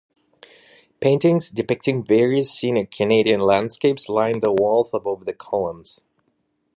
Paintings depicting various scenic Canadian landscapes line the walls above the columns.